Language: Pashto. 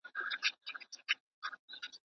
چي خر نه لرې، خر نه ارزې.